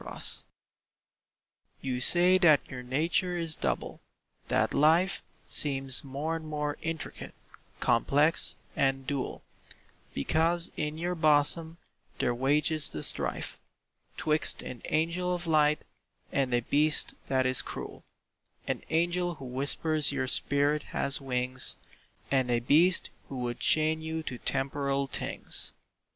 DUAL You say that your nature is double; that life Seems more and more intricate, complex, and dual, Because in your bosom there wages the strife 'Twixt an angel of light and a beast that is cruel— An angel who whispers your spirit has wings, And a beast who would chain you to temporal things.